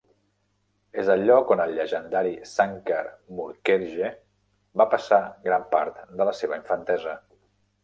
És el lloc on el llegendari Sankar Mukherjee va passar gran part de la seva infantesa.